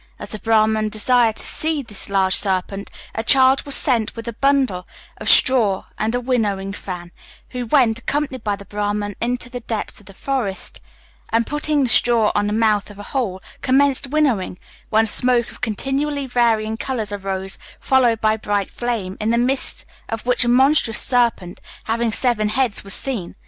As the Brahman desired to see this large serpent, a child was sent with a bundle of straw and a winnowing fan, who went, accompanied by the Brahman, into the depths of the forest, and, putting the straw on the mouth of a hole, commenced winnowing, when smoke of continually varying colours arose, followed by bright flame, in the midst of which a monstrous serpent having seven heads was seen.